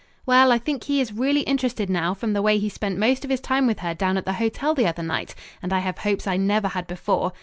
"Well, I think he is really interested now from the way he spent most of his time with her down at the hotel the other night, and I have hopes I never had before.